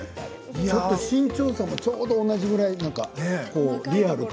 身長差もちょうど同じぐらい、リアル。